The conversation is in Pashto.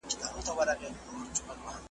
ځلېدونکي د بلوړ ټوټې لوېدلي .